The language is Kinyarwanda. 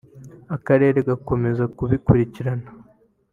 Akarere gakomeza kubikurikirana